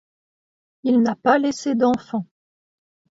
Il n'a pas laissé d'enfants.